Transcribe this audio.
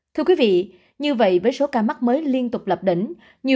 thưa quý vị như vậy với số ca mắc mới liên tục lập đỉnh